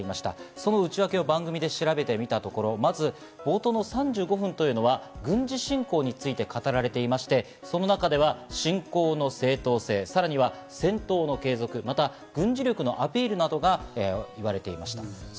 その内訳を番組で調べてみたところ、冒頭の３５分は軍事侵攻について語られていまして、その中で侵攻の正当性、さらには戦闘の継続、また軍事力のアピールなどが言われていました。